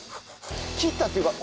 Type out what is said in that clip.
切ったっていうか。